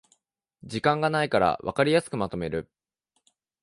時間がないからわかりやすくまとめる